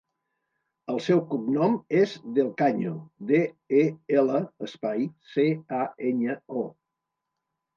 El seu cognom és Del Caño: de, e, ela, espai, ce, a, enya, o.